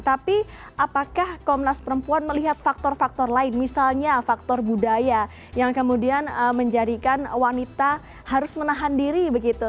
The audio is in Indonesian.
tapi apakah komnas perempuan melihat faktor faktor lain misalnya faktor budaya yang kemudian menjadikan wanita harus menahan diri begitu